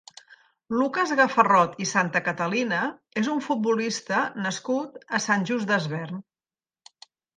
Lucas Gafarot i Santacatalina és un futbolista nascut a Sant Just Desvern.